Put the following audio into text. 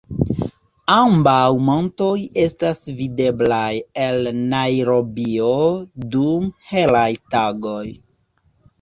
Ambaŭ montoj estas videblaj el Najrobio dum helaj tagoj.